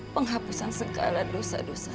penghapusan segala dosa dosa